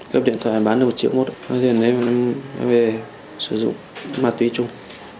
cướp điện thoại bán được một triệu mốt có tiền đấy em về sử dụng ma túy chung